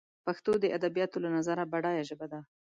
پښتو دادبیاتو له نظره بډایه ژبه ده